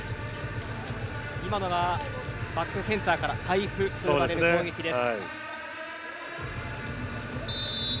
今のはバックセンターからパイプと呼ばれる攻撃です。